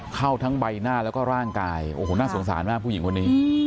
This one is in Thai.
เข้าทั้งใบหน้าแล้วก็ร่างกายโอ้โหน่าสงสารมากผู้หญิงคนนี้